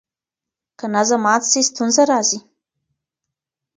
که نظم مات سي ستونزه راځي.